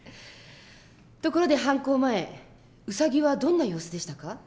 ところで犯行前ウサギはどんな様子でしたか？